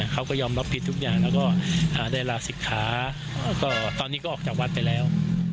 เขาก็ยอมรับผิดทุกอย่างแล้วก็ได้ลาศิกขาก็ตอนนี้ก็ออกจากวัดไปแล้ว